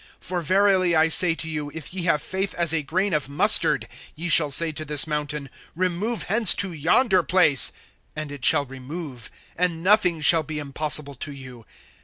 For verily I say to you, if ye have faith as a grain of mustard, ye shall say to this mountain, remove hence to yonder place, and it shall remove; and nothing shall be impossible to you.